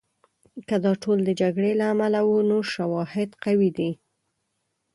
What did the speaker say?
که دا ټول د جګړې له امله وو، نو شواهد قوي دي.